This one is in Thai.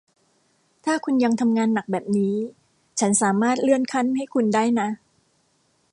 ถ้าคุณยังทำงานหนักแบบนี้ ฉันสามารถเลื่อนขั้นให้คุณได้นะ